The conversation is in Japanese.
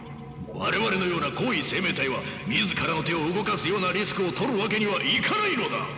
我々のような高位生命体は自らの手を動かすようなリスクをとるわけにはいかないのだ！